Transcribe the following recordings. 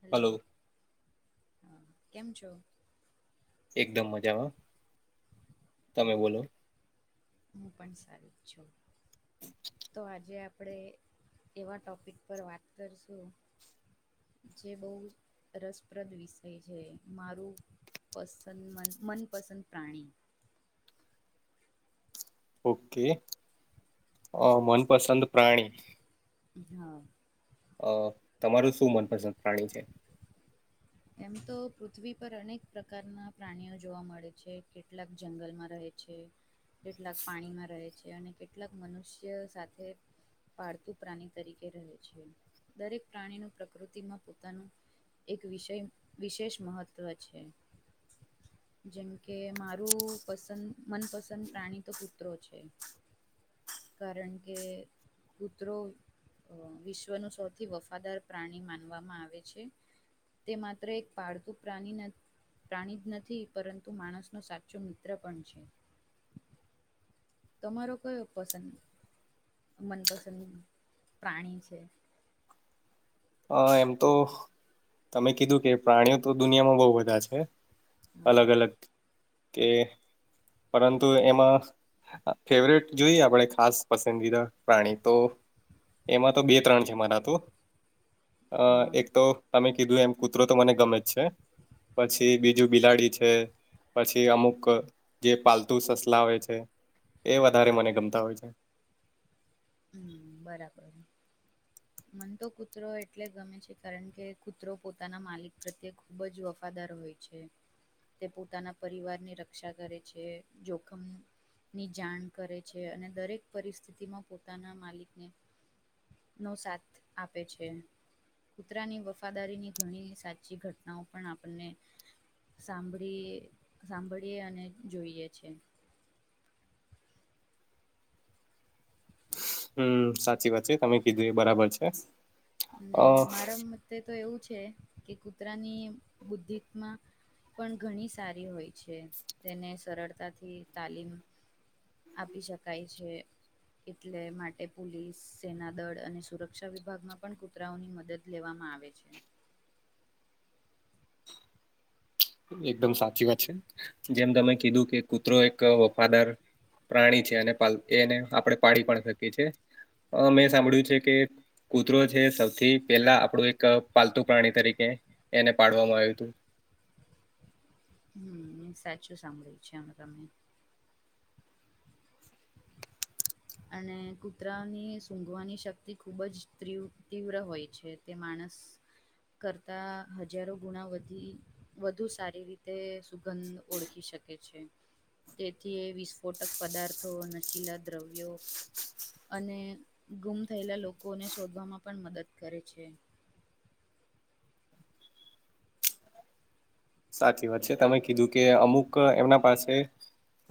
Hello hello હા કેમ છો? એકદમ મજામાં તમે બોલો હમ, હું પણ સારી જ છું. તો આજે આપણે એવા ટોપિક પર વાત કરશું જે બહુ રસપ્રદ વિષય છે મારું પસંદ મન મનપસંદ પ્રાણી ઓકે અ મનપસંદ પ્રાણી હા અ તમારું શું મનપસંદ પ્રાણી છે? એમ તો પૃથ્વી પર અનેક પ્રકારના પ્રાણીઓ જોવા મળે છે કેટલાક જંગલમાં રહે છે કેટલાક પાણીમાં રહે છે અને કેટલાક મનુષ્ય સાથે પાળતું પ્રાણી તરીકે રહે છે દરેક પ્રાણીનું પ્રકૃતિમાં પોતાનું એક વિષય વિશેષ મહત્વ છે. જેમ કે મારું પસંદ મનપસંદ પ્રાણી તો કૂતરો છે. કારણ કે કૂતરો વિશ્વનું સૌથી વફાદાર પ્રાણી માનવામાં આવે છે. તે માત્ર એક પાળતું પ્રાણી નથ પ્રાણી જ નથી પરંતુ માણસનો સાચો મિત્ર પણ છે. તમારો કયો પસંદ મનપસંદ પ્રાણી છે. અ એમ તો તમે કીધું કે પ્રાણીઓ તો દુનિયામાં બહુ બધા છે. હા અલગ અલગ કે પરંતુ એમાં ફેવરેટ જોઈએ આપણે ખાસ પસંદીદા પ્રાણી તો એમાં તો બે ત્રણ છે મારા ત. અ હા એક તો તમે કીધું એમ કૂતરો તો મને ગમે જ છે પછી બીજ જું બિલાડી છે પછી અમુક જે પાલતુ સસલા હોય છે. એ વધારે મને ગમતા હોય છે. હમ્મ બરાબર મન ત કૂતરો એટલે ગમે છે કારણ કે કૂતરો પોતાના માલિક પ્રત્યે ખુબ જ વફાદાર હોય છે તે પોતાના પરિવારની રક્ષા કરે છે જોખમ ની જાણ કરે છે અને દરેક પરિસ્થિતિમાં પોતાના માલિકને નો સાથ આપે છે. કૂતરાની વફાદારીની ઘણી સાચી ઘટનાઓ પણ આપણને સાંભળીએ સાંભળીએ અને જોઈએ છે. હમ્મ સાચી વાત છે તમે કીધું એ બરાબર છે. ને અ મારા મતે તો એવું છે કે કૂતરાની બુદ્ધમાં પણ ઘણી સારી હોય છે તેને સરળતાથી તાલીમ આપી શકાય છે. એટલે માટે પોલીસ સેના દળ અને સુરક્ષા વિભાગમાં પણ કૂતરાઓની મદદ લેવામાં આવે છે. એકદમ સાચી વાત છે, જેમ તમે કીધું કે કૂતરો એક વફાદાર પ્રાણી છે અને એને આપણે પાડી પણ શકીયેએ મેં સાંભળ્યું છે કે કૂતરો છે સૌથી પહેલા આપણું એક પાલતુ પ્રાણી તરીકે એને પાડવામાં આવ્યું હતું. હમ્મ સાચું સાંભળ્યું છે આમા તમે અને કૂતરાની સૂઘવાની શક્તિ ખુબ જ ત્રી તીવ્ર હોય છે. તે માણસ કરતાં હજારો ગુણા વધી વધુ સારી રીતે સુગંધ ઓળખી શકે છે. તેથી વિસ્ફોટક પદાર્થો નશીલા દ્રવ્યો. અને ગુમ થયેલા લોકોને શોધવામાં પણ મદદ કરે છે. સાચી વાત છે તમે કીધું કે અમુક એમના પાસે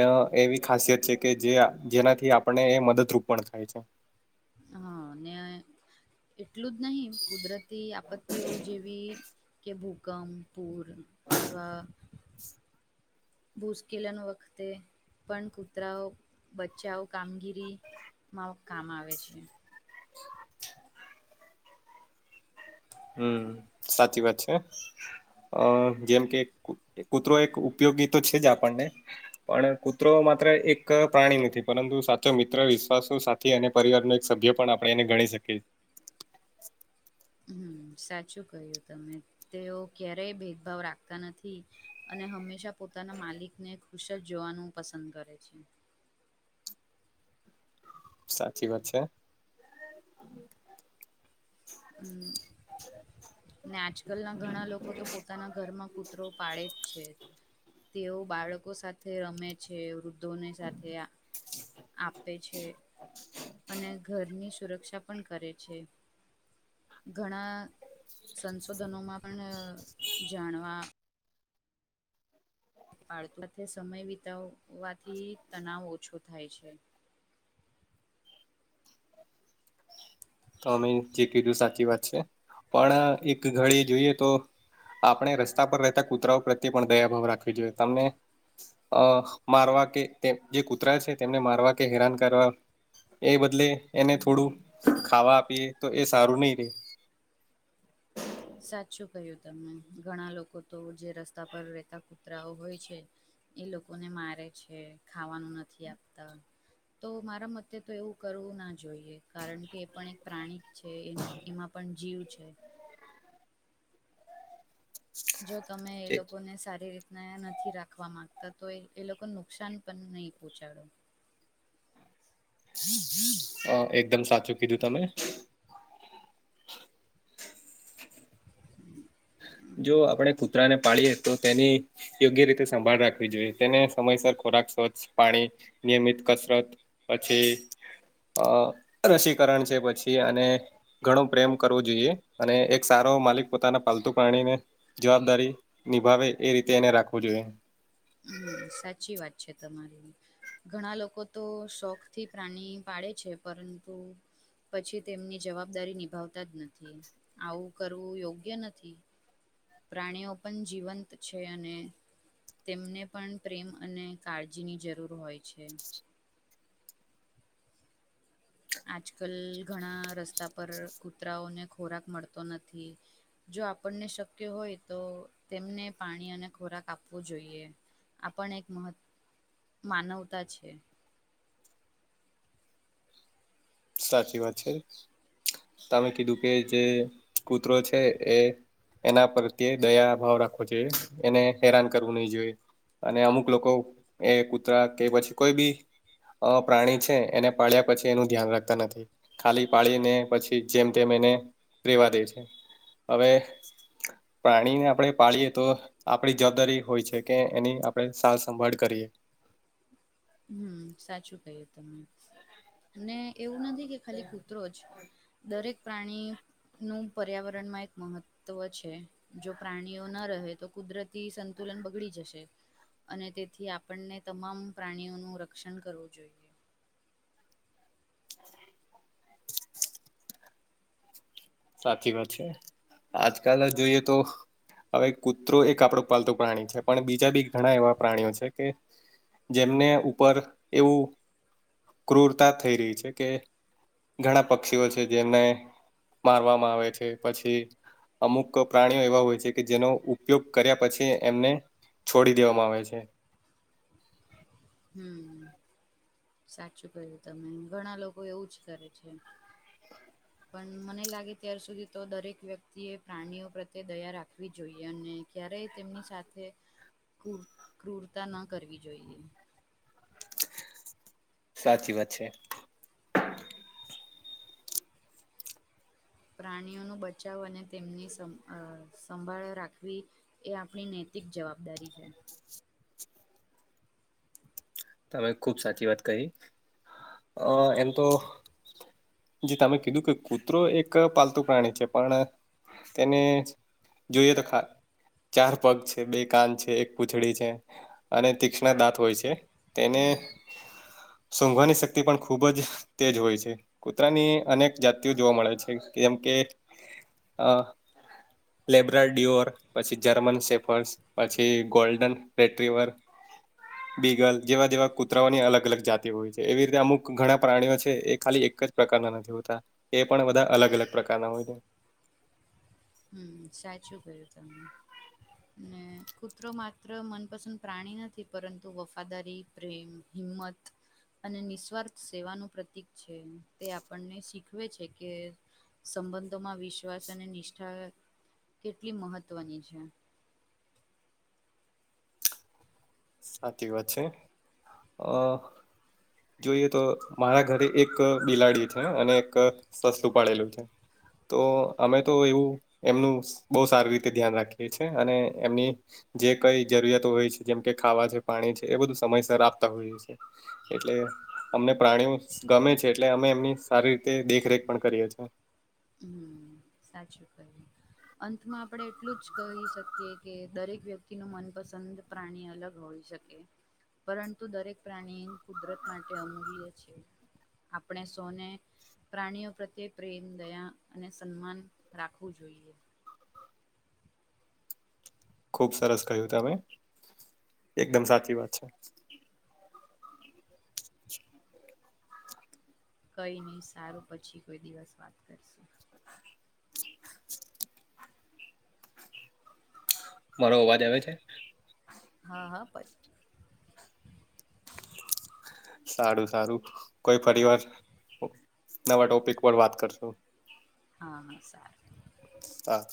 અ એવી ખાસિયત છે કે જે જેનાથી આપણે એ મદદરૂપ પણ થાય છે. હા ને, એટલું જ નહિ. કુદરતી આપત્તિઓ જેવી કે ભૂકંપ પૂર અથવા મુૂશ્કેલન વખતે પણ કૂતરાઓ બચ્ચાઓ કામગીરી મા કામ આવે છે. [inaudible] હમ સાચી વાત છે. અ જેમ કે કૂતરો એક ઉપયોગી તો છે જ આપણને. પણ કૂતરો માત્ર એક પ્રાણી નથી પરંતુ સાચો મિત્ર વિશ્વાસો થી અને પરિવારનું એક સભ્ય પણ આપણે એને ગણી શકીએ છએ. હમ સાચું કહ્યું તમે, તેઓ ક્યારેય ભેદભાવ રાખતા નથી. અને હંમેશા પોતાના માલિકને ખુશ જ જોવાનું પસંદ કરે છે. સાચી વાત છે. હમ. ને આજકાલના ઘણા લોકો તો પોતાના ઘરમાં કૂતરો પાડે જ છે. તેઓ બાળકો સાથે રમે છે વૃદ્ધોની સાથે આપે છે, અને ઘરની સુરક્ષા પણ કરે છે. ઘણા સંશોધનોમાં પણ જાણવા પાડત સાથે સમય વિતાવવાથી તનાવ ઓછો થાય છે. તો અમે જે કીધું સાચી વાત છે, પણ એક ઘડી જોઈએ તો આપણે રસ્તા પર રહેતા કૂતરાઓ પ્રત્યે પણ દયાભાવ રાખવી જોઈએ તમને અ મારવા કે જે કૂતરા છે તેમને મારવા કે હેરાન કરવા એ બદલે એને થોડું ખાવા આપીએ તો એ સારું નહી રે. સાચું કહ્યું તમને ઘણા લોકો તો જે રસ્તા પર રેતા કુતરાઓ હોય છે. એ લોકોને મારે છે ખાવાનું નથી આપતા. તો મારા મતે તો એવું કરવું ના જોઈએ કારણ કે એ પણ એક પ્રાણીક છે એ એમાં પણ જીવ છે. જો તમે એ લોકોને સારી રીતના નથી થી રાખવા માંગતા તો એ લોકોને નુકસાન પણ નહી પહોંચાડ. એકદમ સાચું કીધું તમે. [inaudible] જો આપણે કૂતરા ને પાળએ તો તેની યોગ્ય રીતે સંભાળ રાખવી જોઈએ. તેને સમયસર ખોરાક સ્વચ્છ પાણી, નિયમિત કસરત. પછી અ રસીકરણ છે પછી અને ઘણું પ્રેમ કરવું જોઈએ, અને એક સારો માલિક પોતાના પાલતુ પાણીને જવાબદારી નિભાવે એ રીતે એને રાખવું જોઈએ. હમ સાચી વાત છે તમારી. ઘણા લોકો તો શોખથી પ્રાણી પાડે છે પરંતુ પછી તેમની જવાબદારી નિભાવતા જ નથી, આવું કરવું યોગ્ય નથી. પ્રાણીઓ પણ જીવંત છે અને તેમને પણ પ્રેમ અને કાળજીની જરૂર હોય છે. આજ કલ ઘણા રસ્તા પર કૂતરાઓને ખોરાક મળતો નથી. જો આપણને શક્ય હોય તો તેમને પાણી અને ખોરાક આપવો જોઈએ. આપણ એક મહ માનવતા છે. સાચી વાત છે તમે કીધું કે જે કૂતરો છે એ એના પ્રત્યેય દયા ભાવ રાખવો જોઈએ એને હેરાન કરવું નહી જોઈએ અને અમુક લોકો એ કૂતરા કે પછી કોઈ બી અ પ્રાણી છે એને પાડ્યા પછી એનું ધ્યાન રાખ ખાલી પાડીને પછી જેમ તેમ એને રેવા દે છે હવે પ્રાણીને આપણે પાળીએ તો આપણી જવાબદારી હોય છે કે એની આપણે સાર સંંભાળ કરીએ હમ સાચું કહીએ તમે અને એવું નથી કે ખાલી કૂતરો જ દરેક પ્રાણી નું પર્યાવરણમાં એક મહત્વ છે જો પ્રાણીઓ ન રહે તો કુદરતી સંતુલન બગડી જશે અને તેથી આપણને તમામ પ્રાણીઓનું રક્ષણ કરવું જોઈએ સાચી વાત છે આજકાલ જોઈએ તો હવે કૂતરો એક આપડો પાલતું પ્રાણી છે પણ બીજા બી ઘણા એવા પ્રાણીઓ છે કે જેમને ઉપર એવું ક્રૂરતા થઈ રહી છે કે ઘણા પક્ષીઓ છે જેમને મારવામાં આવે છે પછી અમુક પ્રાણીઓ એવા હોય છે કે જેનો ઉપયોગ કર્યા પછી એમને છોડી દેવામાં આવે છે હમ સાચું કહ્યું તમે ઘણા લોકો એવું જ કરે છે. પણ મને લાગે ત્યાર સુધી તો દરેક વ્યક્તિએ પ્રાણીઓ પ્રત્યે દયા રાખવી જોઈએ અને ક્યારેય તેમની સાથે કુર ક્રૂરતા ન કરવી જોઈએ સાચી વાત છે પ્રાણીઓ નો બચાવ અને તેમની સંભાળ સંભાળ રાખવી એ આપણી નૈતિક જવાબદારી છે તમે ખુબ સાચી વાત કહી અ એમ તો જે તમે કીધું કે કૂતરો એક પાલતુ પ્રાણી છે પણ તેને જોઈએ તો ખા ચાર પગ છે બે કાન છે એક પૂછડી છે અને તીક્ષ્ણ દાંત હોય છે તેને [inaudible] સોંઘવાની શક્તિ પણ ખૂબ જ તે જ હોય છે કૂતરાની અનેક જાતિઓ જોવા મળે છે જેમ કે અ લેબ્ર ડિઓર પછી જર્મન સેફર્સ પછી ગોલ્ડન રેટરીવર બીગલ જેવા જેવા કૂતરાઓની અલગ અલગ જાતિ હોય છે એવી રીતે અમુક ઘણા પ્રાણીઓ છે એ ખાલી એક જ પ્રકારના નથી હોતા એ પણ બધા અલગ અલગ પ્રકારના હોય છે હમ સાચું ગયું તમને ને કૂતરો માત્ર મનપસંદ પ્રાણી નથી પરંતુ વફાદારી પ્રેમ હિમત અને નિસ્વાર્થ સેવાનું પ્રતિક છે તે આપણને શીખવે છે કે સંબંધોમાં વિશ્વાસ અને નિષ્ઠા કેટલી મહત્વની છે સાચી વાત છે અ જોઈએ તો મારા ઘરે એક બિલાડી છે અને એક સસ્તું પડેલું છે. તો અમે તો એવું એમનું બહુ સારી રીતે ધ્યાન રાખીએ છીએ અને એમની જે કઈ જરૂરિયાતો હોય છે જેમ કે ખાવા છે પાણી છે એ બધું સમયસર આપતા હોઈએ છે એટલે અમને પ્રાણીઓ ગમે છે એટલે અમે એમની સારી રીતે દેખરેખ પણ કરીએ છીએ હમ સાચું કહું અંતમાં આપણે એટલું જ કહી શકીએ કે દરેક વ્યક્તિ ન મનપસંદ પ્રાણી અલગ હોઈ શકે પરંતુ દરેક પ્રાણી કુદરત માટે અમૂલ્ય છે. આપણે સોને પ્રાણીઓ પ્રત્યે પ્રેમ દયા અને સન્માન રાખવું જોઈએ. ખુબ સરસ કહ્યું તમે એકદમ સાચી વાત છે. કઈ નહી સારું પછી કોઈ દિવસ વાત કરશું મારો અવાજ આવે છે. હા હા બ સારું સારું કોઈ ફરી હા વાર નવા ટોપિક પર વાત કરશો હા હ સાર હા.